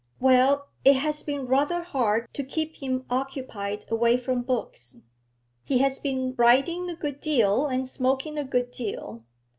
'Well, it has been rather hard to keep him occupied away from books. He has been riding a good deal, and smoking a good deal.'